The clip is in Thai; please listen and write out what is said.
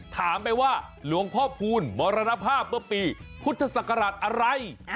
ถามไปว่าหลวงพ่อพูลมรณภาพเมื่อปีพุทธศักราชอะไร